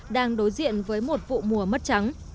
đang đối diện với một vụ mùa mất trắng